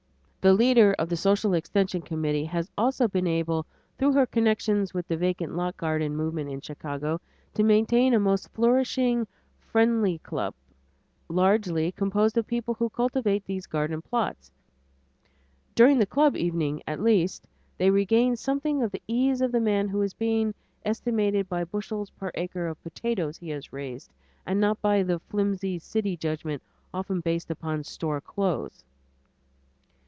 The leader of the social extension committee has also been able, through her connection with the vacant lot garden movement in Chicago, to maintain a most flourishing "friendly club" largely composed of people who cultivate these garden plots. During the club evening at least, they regain something of the ease of the man who is being estimated by the bushels per acre of potatoes he has raised, and not by that flimsy city judgment so often based upon store clothes.